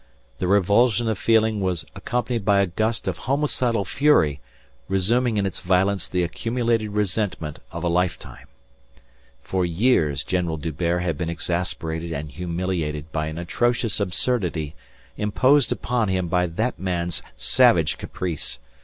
The revulsion of feeling was accompanied by a gust of homicidal fury resuming in its violence the accumulated resentment of a lifetime. For years General D'Hubert had been exasperated and humiliated by an atrocious absurdity imposed upon him by that man's savage caprice.